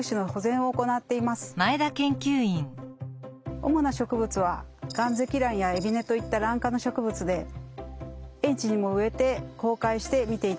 主な植物はガンゼキランやエビネといったラン科の植物で園地にも植えて公開して見ていただいています。